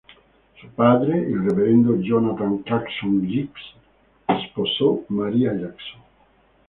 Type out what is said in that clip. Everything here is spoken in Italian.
Suo padre, il reverendo Jonathan Clarkson Gibbs I, sposò Maria Jackson.